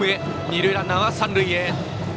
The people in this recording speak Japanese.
二塁ランナーは三塁へ。